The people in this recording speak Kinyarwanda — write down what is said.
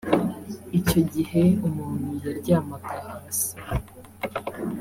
icyo gihe umuntu yaryamaga hasi …